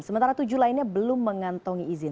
sementara tujuh lainnya belum mengantongi izin